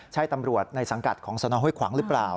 ใช่ตำรวจในสังกัดของสนห้วยขวางหรือเปล่า